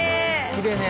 きれいね。